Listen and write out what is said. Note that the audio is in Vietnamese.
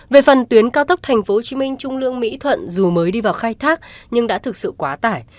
về phần tuyến cao tốc tp hcm trung lương mỹ thuận dù mới đi vào khai thác nhưng đã thực sự quá tải